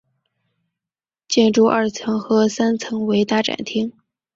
建筑二层和三层为大展厅。